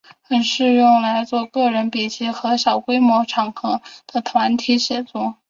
很适合用来做个人笔记和小规模场合的团体写作。